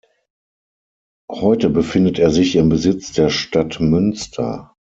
Heute befindet er sich im Besitz der Stadt Münster.